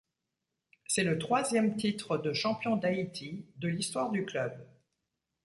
C’est le troisième titre de champion d'Haïti de l'histoire du club.